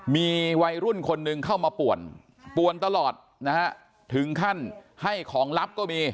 มีวัยรุ่นคนหนึ่งเข้ามาป่วนป่วนตลอดนะฮะถึงขั้นให้ของลับก็มี